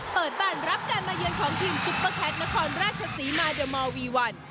เปิดบ้านรับการมาเยือนของทีมซุปเปอร์แคนครราชศรีมาเดอร์มอลวีวัน